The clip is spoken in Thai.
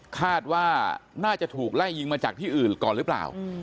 คาดว่าน่าจะถูกไล่ยิงมาจากที่อื่นก่อนหรือเปล่า